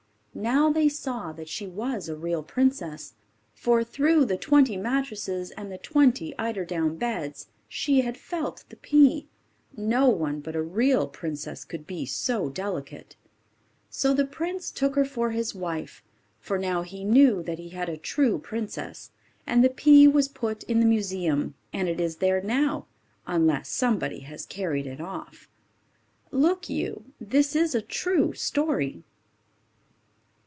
Now they saw that she was a real princess, for through the twenty mattresses and the twenty eider down beds she had felt the pea. No one but a real princess could be so delicate. So the prince took her for his wife, for now he knew that he had a true princess; and the pea was put in the museum, and it is there now, unless somebody has carried it off. Look you, this is a true story.